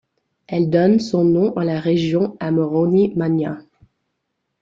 Elle donne son nom à la région Amoron'i Mania.